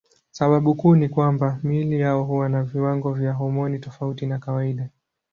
Sababu kuu ni kwamba miili yao huwa na viwango vya homoni tofauti na kawaida.